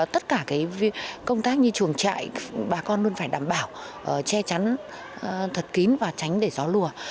tất cả công tác như chuồng trại bà con luôn phải đảm bảo che chắn thật kín và tránh để gió lùa